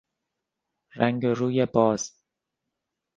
رنگ و روی باز